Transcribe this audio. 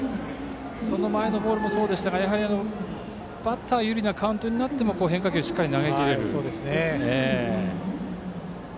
その前のボールもそうでしたがバッター有利なカウントになってもしっかり変化球を投げきれると。